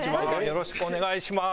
よろしくお願いします。